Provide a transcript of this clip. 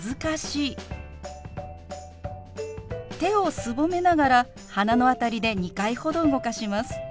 手をすぼめながら鼻の辺りで２回ほど動かします。